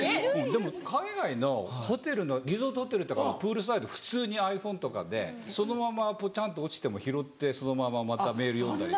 でも海外のリゾートホテルとかのプールサイド普通にｉＰｈｏｎｅとかでそのままポチャンって落ちても拾ってそのまままたメール読んだり。